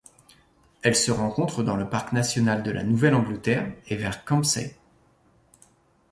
Elle se rencontre dans le parc national de la Nouvelle-Angleterre et vers Kempsey.